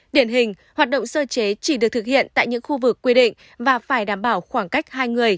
điển hình hoạt động sơ chế chỉ được thực hiện tại những khu vực quy định và phải đảm bảo khoảng cách hai người